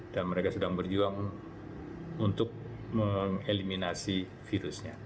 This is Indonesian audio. dan mereka sedang berjuang untuk mengeliminasi virusnya